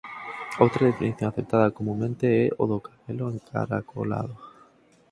Outra definición aceptada comunmente é "o do cabelo encaracolado".